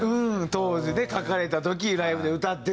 当時ね書かれた時ライブで歌ってる時。